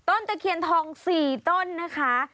ตะเคียนทอง๔ต้นนะคะ